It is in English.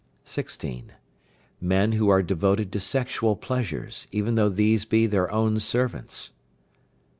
16. Men who are devoted to sexual pleasures, even though these be their own servants.